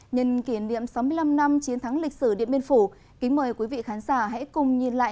nhân kỷ niệm sáu mươi năm năm chiến thắng lịch sử điện biên phủ kính mời quý vị khán giả hãy cùng nhìn lại